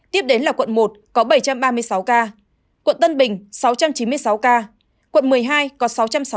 tiếp đến là quận một có bảy trăm ba mươi sáu ca quận tân bình sáu trăm chín mươi sáu ca quận một mươi hai có sáu trăm sáu mươi ca